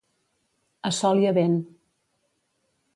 A sol i a vent.